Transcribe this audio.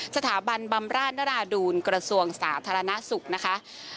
สถาบันบำราชนราดูลกระทรวงสาธารณสุขนะคะ